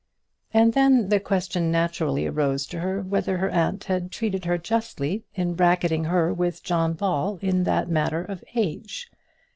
And then the question naturally arose to her whether her aunt had treated her justly in bracketing her with John Ball in that matter of age.